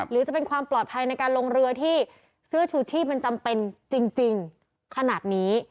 หรือจะเป็นความปลอดภัยในการลงเรือที่เสื้อชูชีพมันจำเป็นจริงขนาดนี้